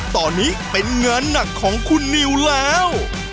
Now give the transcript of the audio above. ตอนนี้เป็นงานหนักของคุณนิวแล้ว